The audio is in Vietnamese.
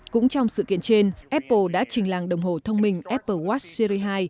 cũng trong sự kiện trên apple đã trình làng đồng hồ thông minh apple watt series hai